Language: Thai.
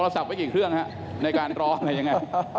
สักไว้กี่เครื่องฮะในการรออะไรยังไง